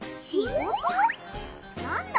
なんだ？